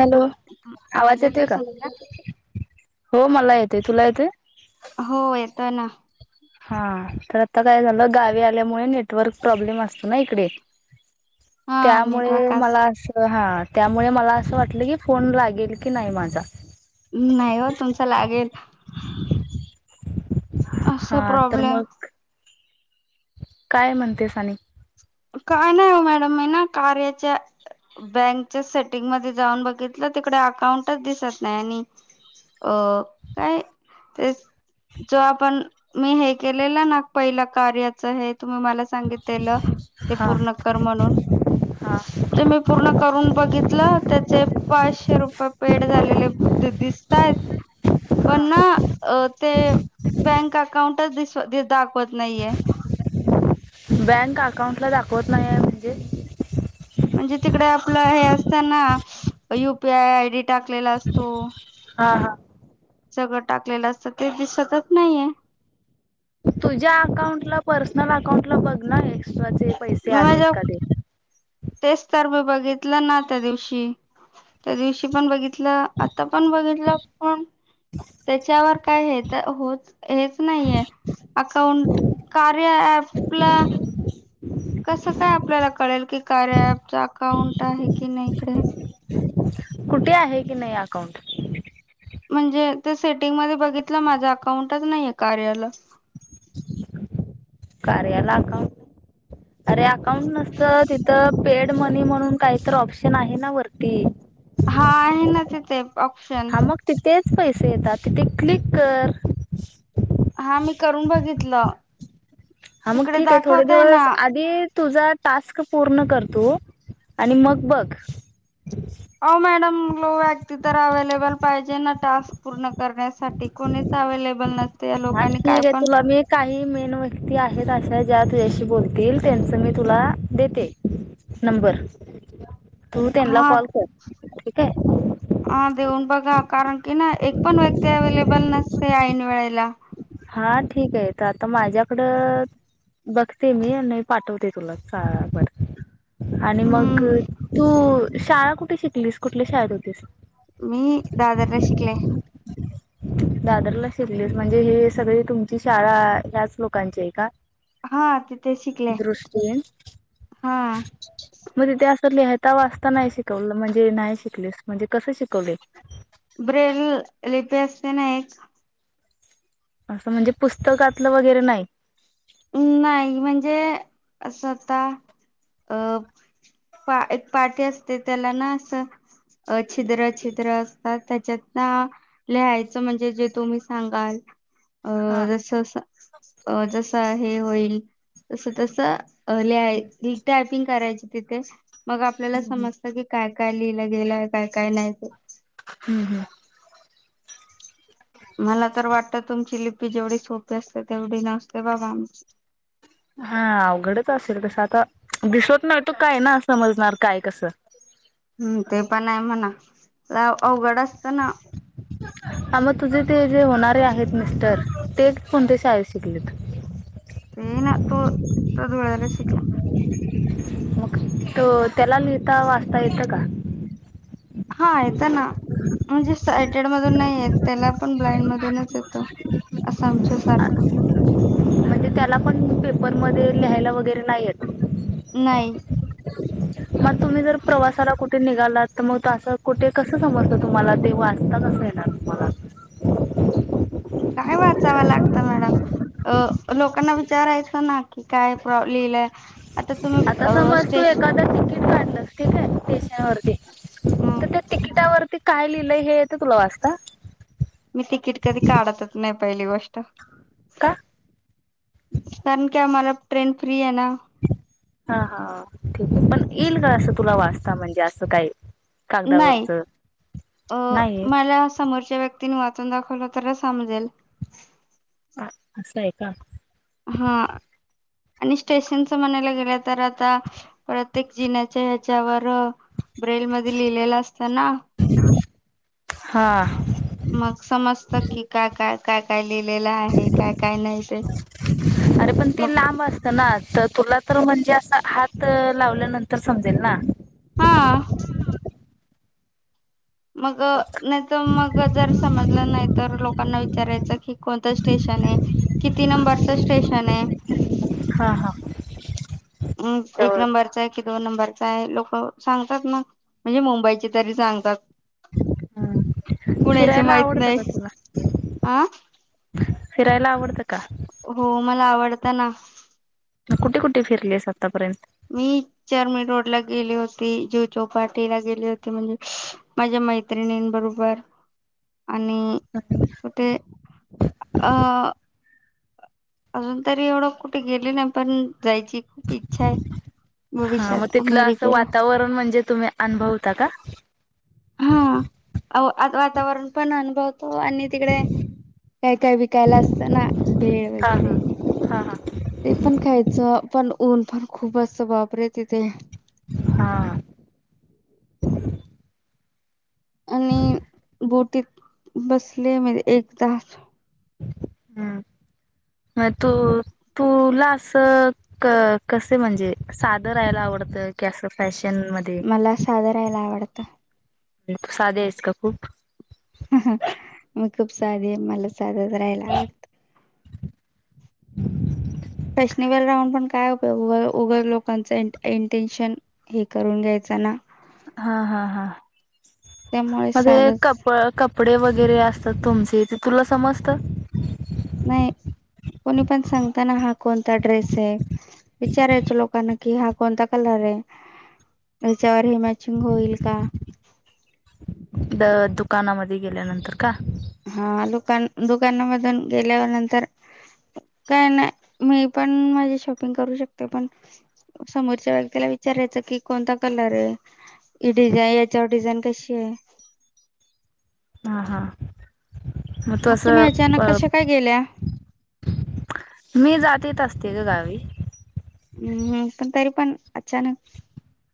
Hello आवाज येतोय का हो मला यतोय तुला यतोय हो येतोय ना हा तर आता काय झालं गावी आल्यामुळे नेटवर्क प्रॉब्लेम असतो ना इकडे हा त्यामुळे नेटवर्क आज मला असं हा त्यामुळे मला असं वाटलं की फोन लागेल की नाही माझा नाही हो तुमचा लागेल ह असा हा तर प्रॉब्लेम मग काय म्हणते सानिक का नाही हो मॅडम मी ना कार्याच्या बँकच्या सेटिंग मध्ये जाऊन बघितलं तिकडे अकाउंटच दिसत नाही आणि अ काय ते जो आपण मी हे केलेलं ना पहिलं कार्याच हे तुम्ही मला सांगितलेलं ते हा पूर्ण करून म्हणून हा ते मी पूर्ण करून बागितल ते पाचशे रुपये पेड झालेले दिसतायत हा पण ना ते बँक अकाउंटच दिस दाखवत नाहीये बँक अकाऊंटला दाखवत नाही आहे म्हणजे म्हणजे तिकडे आपलं हे असतना युपीआय आय डी टाकलेला असतो हा हा टाकलेलं असत ते दिसतच नाहीयाय मला अकाउंट ला बघ नार आहेस मग माझ्या तेच तर मी बघ बघितलं ना त्या दिवशी त्या दिवशी पण बघितलं आता पण बघितलं पण त्याच्यावर काय हे तर हो हेच नाहीये अकाउंट कार्या अॅप कसं काय आपल्याला कळेल की कार्या पच अकाउंट आहे की नाही इकडे कुठे आहे की नाही अकाउंट म्हणजे ते सेटिंग मध्ये बघितलं माझं अकाउंटच नाहीे कार्याला कार्याला अकाउंट अरे अकाउंट नसत तिथं पेड मनी म्हणून काहीत ऑप्शन आहे ना वरती. हा आहे ना तिथे ऑप्शन हां मग तेच पैसे येतात तिथे क्लिक कर हा मी करून बघितलं हा मग तिकडे ठीक आहे थोडे दाखवतय ना दिवस आधी तुझा टास्क पूर्ण कर तु. आणि मग बघ. हो मॅडम व्यक्ती तर अव्लेबल पाहिजे ना टास्क पूर्ण करण्यासाठी कोणीच अवेलेबल नस हा ठीक आहे तुला मी काही मेन व्यक्ती आहेत अशा ज्या तुझ्याशी बोलतील त्यांचं मी तुला देते नंबर तू त्यांना हा कॉल कर ठीक आहे. हा देऊन बघा कारण की ना एक पण व्यक्ती अवेलेबल नसते ऐन वेळेला- हा ठीक आहे तर आता माझ्याकडं बघते मी आणि पाठवते तुला बर आणि मग हम्म तू शाळा कुठे शिकलीस कुठल्या शाळेत होतीस मी दादरला शिकले. दादरला शिकलेस म्हणजे हे सगळे तुमची शाळा ह्याच लोकांची आहे का हा तिथे शिकले दृष्टी हा. मग तिथे अस लिहत लिहता वाचता नाही शिकवलं, म्हणजे नाही शिकलेस म्हणजे कस शिकवले ब्रेल लिपी असते ना एक असं म्हणजे पुस्तकातलं वगैरे नाही. अ नाही म्हणजे असं आता अ पा एक पाठी असते त्याला ना असं अ छिद्र छिद्र असतात त्याच्यात ना लिहायचं म्हणजे जे तुम्ही सांगाल अ हा. जस जस हे होईल तस तस लि टायपिंग करायची तिथेच मग आपल्याला हम्म समजत की काय काय लिहिलं गेलाय काय काय नाही ते. हम्म हम्म मला तर वाटतं तुमची लिपी जेवढी सोपी असते तेवढी नसते बाबा आमची हा अवघडच असेल तस आता दिसत नाही तो काय ना समजणार काय कसं हम्म ते पण आहे म्हणा अवघड असत ना हां मग तुझे ते जे होणारे आहेत मिस्टर ते कोणते शाळेत शिकलेत. [unintelligible] [inaudible] मग तो त्याला लिहता वाचता येतं का. हां येत ना. म्हणजे सायटेड मधून नाही येत त्याला पण ब्लाइंड मधूनच येतो. असं आमच्या सारखं म्हणजे त्याला पण पेपरमध्ये लिहायला वगैरे नाहीयेत नाही. मग तुम्ही जर प्रवासाला कुठे निघालात तर मग असं कुठे कसं समजत तुम्हाला ते वाचता कस येणार तुम्हाला काय वाचावं लागतं मॅडम अ लोकांना विचारायचं ना की काय प्र लिहिलं आता समज तू एखादा तिकीट काढलंस ठीक आहे स्टेशन वरती तर मी ते तिकिटावरती काय लिहिलंय हे येत तुला वाचता मी तिकीट कधी काढतच नाही पहिली गोष्ट का कारण की आम्हाला ट्रेन फ्री आहे ना हा हा ठीक पण येईल का असं तुला वाचता म्हणजे असं काय नाही अ नाही येत मला समोरच्या व्यक्तीनी वाचून दाखवलं अत समजल अ असंय का हा आणि स्टेशनच म्हणायला गेलं तर आता प्रत्येक जिण्याच्या ह्याच्यावर ब्रेल मध्ये लिहिलेलं असत ना हा मग समजत की काय काय काय काय लिहिलेला आहे काय काय नाही ते अरे पण ते मग लांब असत ना तर तुला तर म्हणजे अस हात लाव नंतर समजेल ना हा मग नाही तर मग जर समजलं नाही तर लोकांना विचारायचं कि कोणतं स्टेशन आहे किती नंबरच स्टेशन आहे हा हां हम् एक नंबरचा आहे कि दोन नंबर का आहे लोक सांगतात ना म्हणजे मुंबईचे तरी सांगतात हम्म पुण्याचे फिरायला माहित आवडतं नाही का तुला हं फिरायला आवडतं का हो मला आवडत ना कुठे कुठे फिरलीस आत्तापर्यंत मी चर्मणी रोडला गेली होती जू चौपाटीला गेले होते म्हणजे माझ्या मैत्रिणीं बरोबर ह आणि कुठे अ अजून तरी एवढं कुठे गेले नाही पण जायची खूप इच्छा आहे हा मग भविष्यात तिथलं असं अमेरिकेला वातावरण म्हणजे तुम्ही अनुभवता का ह हा वातावरण पण अनुव हो आणि तिकडे काय काय विकायला असतं ना भेळ हा वगैरे हा हा ते पण खायचं पण ऊन पण खूप असस् वापरे तिथे हा आणि बोटीत बसले म एकदा हम् म तू तुला अस कस म्हणजे सादर राहायला आव तॅश मला सादरायला आवडतं तू साधे आहेस का खूप मग खूप साधी मला साधाच राहायला आवडत फॅशनिवल राऊंड पण काय हो उ उघड लोकांचं इंटेन्शन हे करून घ्यायचं ना हा हा हा त्यामुळे म साधच कप कपडे वगैरे अस तर तुमचे ते तुला समजत नाही कोणी पण सांगताना हा कोणता ड्रेस आहे विचारायचो लोकांना कि हा कोणता कलर त्याच्यावर हिमाचिंग होईल का द दुकानामध्ये गेल्यानंतर का हा लुकान दुकानामधून गेल्यावर नंतर काय नाही मी पण माझी शॉपिंग करू शकते पण समोरच्या वेक्तीला विचारायचं कि कोणता कलर आहे ही डिझाई याच्यावर डिझाईन कशी आहे? हा-हा. म मग तस तुम्ही अचानक कशा अं काय गेल्या मी जात येत असते ग गावी. हम्म. हं पण तरी पण अचानक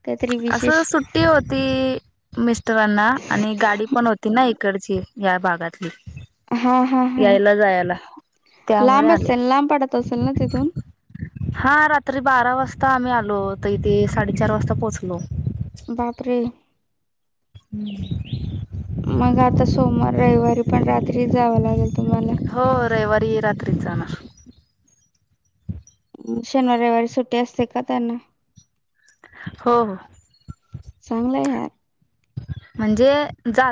काहीतरी असं विशेष सुट्टी होती मिस्टरांना आणि गाडी पण होती ना एक कडची या भागातली. हा ह- हं-हं. यायला जायला त्यामुळे लांब आले असेल लांब पडत असेल ना तिथून? हा रात्री बारा वाजता आम्ही आलो, तर इथे साडेचार वाजता पोहोचलो. बापरे हम्म. मग आता सोमवार रविवारी पण रात्री जावं लागेल. तुम्हाला हो रविवारी रात्री जाणार. अं शनवार रविवारी सुट्टी असते का त्यांना? हो-हो. चांगलं हे.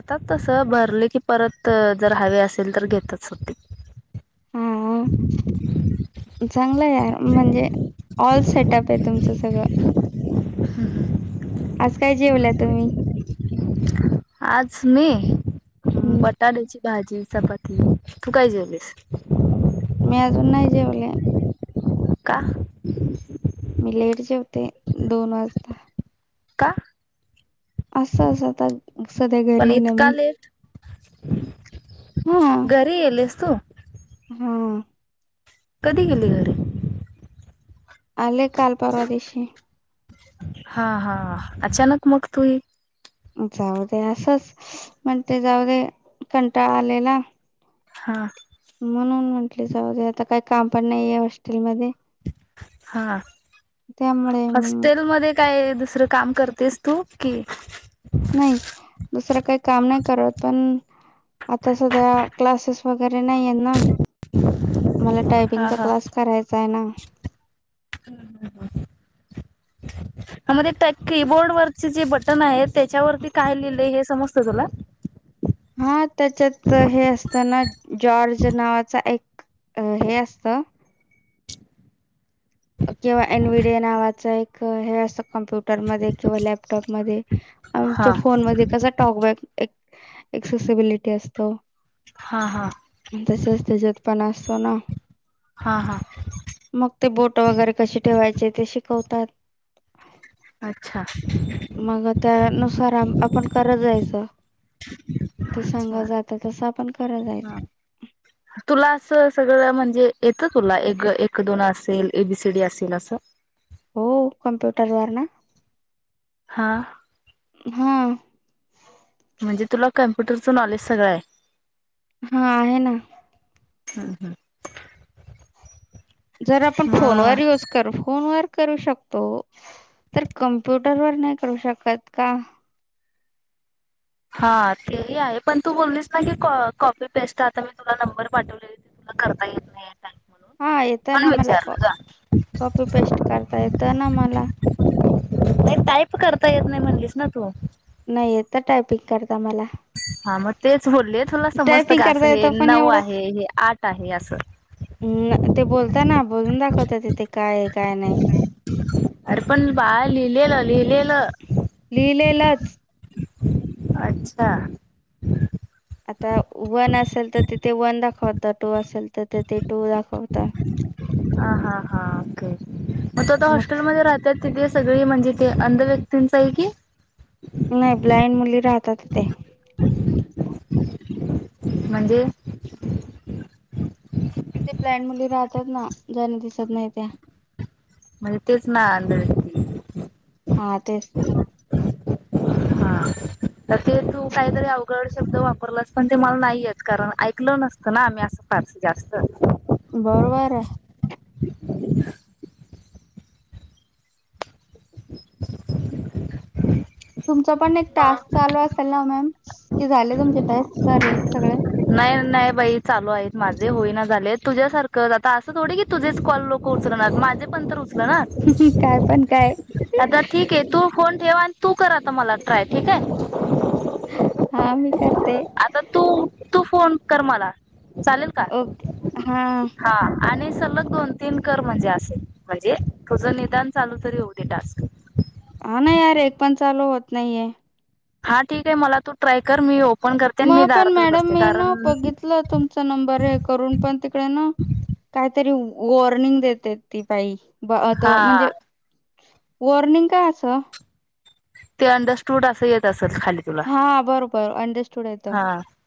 ता तसं भरले की परत जर हवे असेल तर घेतच होते. हं-हं चांगलं याया म्हणजे? ऑल सेटअपे तुमचं सगळं. आज काय जेवल्या तुम्ही? आज मी, हम्म बटाट्याची. भाजी चपाती. तू काय जेवलीस? मी आजून नाही जेवले. का? मी लेट जेवते दोन वाजता. का? असंच आता सध्या पण घरीये ना इतका मी. लेट घरी येलेस्तु? हम्म. कधी गेली घरी? आले काल परवा दिशी. हा-हा अचानक मग तूई. जाऊ दे असंच स म्हण ते जाऊ दे कंटाळा आलेला. हा. म्हणून म्हंटले जाऊदे आता काही काम पण नाहीये हॉस्टेलमध्ये. हा त्यामुळे हॉस्टेल मध्ये काय? दुसरं काम करतेस तू? की नाही दुसरं काही काम नाही करत पण आता सध्या क्लासेस वगैरे नाहीय ना. मला हा टायपिंगचा क्लास करायचा आहे ना. हं-हं-हं. ह म त्या कीबोर्ड वरचे जे बटन आहे त्याच्यावरती काय लिहिलंय हे समजत तुला? [unintelligible] ह त्याच्यात हे असत ना जॉर्ज नावाचा एक अं हे असतं किंवा एन विडीओ नावाचं एक हे असतं कॉम्प्युटरमध्ये किंवा लॅपटॉपमध्ये. आमच्या हा फोन मध्ये कसा टॉकबॅक एक एक्सेसबिलिटी असतो. हा हा तसंच त्याच्यात पण असतो ना. हा हा मग ते बोट वगैरे कशी ठेवायचे ते शिकवतात. अच्छा. मग त्यानुसार आपण करत जायचं ते अच्छा सांगलं जात तस आपण करा हा जायचं तुला सगळं म्हणजे येतं तुला एक एक दोन असेल एबीसीडी असेल असं हो कम्प्युटर वरना हा हा म्हणजे तुला कम्प्युटरचं नॉलेज सगळं आहे हा आहे ना हम्म हम् जर आपण फोनवर युज करू फोनवर करू शकतो तर कॉम्प्युटरवर नाही करू शकत का हा तेही आहे पण तू बोललीस ना की कॉपी पेस्ट आता मी तुला नंबर पाठवले करता येत नाही या टाईप म्हणून हा येतं ना म्हणून मला कॉ विचारलं ग कॉपी पेस्ट करता येत ना मला नाही टाईप करता येत नाही म्हणलीस ना तू नाही येत टायपिंग करता मला हा मग तेच बोलले तुला समजत टायपिंग का करता असं हे येतं पण नऊ एवढं आहे हे आठ आहे असं ते बोलताना बोलून दाखवता तिथे काय काय नाही अरे पण बाळ लिहिलेल लिहिलेल लिहिलेच अच्छा आता वन असेल तर तिथे वन दाखवत टू असेल तर ते ते टू दाखवता हा हा हा ओके मग त आता मग हॉस्टेलमध्येध्ये राहतय तिथे सगळी म्हणजे ते अंध व्यक्तींचा आहे की नाही ब्लाइंड मुली राहतात इथे म्हणजे तिथे ब्लाइंड मुली राहतात ना ज्यांना दिसत नाही त्या म्हणजे तेच ना आंधळे हा तेच हां तर ते तू काहीतरी अवघड शब्द वापरलास पण ते मला नाहीयेत कारण ऐकलं नसतं ना आम्ही असं फारस जास्त बरोबर आहे [unintelligible] तुमच पण एक टास्क चालू असेल ना मॅम की झाले तुमचे टेस्ट सारे सगळे नाही नाही बाई चालू आहेत माझे होईना झाले तुझ्यासारखं आता असं थोडे की तुझेच कॉल लोक माझे पण तर उचलना काय पण काय आता ठीक आहे ठेवा तू करा आ मला ट्राय ठीक आहे हा मी करते आता तू तू फोन कर मला चालेल का ओके हा हा आणि सलग दोन तीन कर म्हणजे असे म्हणजे तुझं निदान चालू तरी होऊ दे टास्क हा ना यारे एक पण चालू होत नाहीये हा ठीक आहे मला तू ट्राय कर मी ओपन करते आणि मी मग पण दारातच मॅडम बसते मी कारण ना बघितलं तुमचा नंबर हे करून पण तिकडे ना काहीतरी वॉर्निंग देते ती बाई हा तो म्हणजे वॉर्निंग काय असं ते अंडर स्टूड असं येत असलं खाली तुला हा बरोबर अंडरस्टूड आहेेत हा